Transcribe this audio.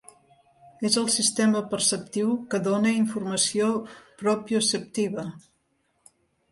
És el sistema perceptiu que dóna informació propioceptiva.